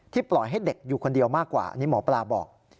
ปล่อยให้เด็กอยู่คนเดียวมากกว่าอันนี้หมอปลาบอก